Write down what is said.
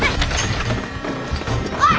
おい！